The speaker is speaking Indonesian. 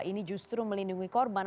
ini justru melindungi korban